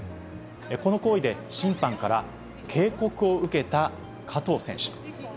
この行為で審判から警告を受けた加藤選手。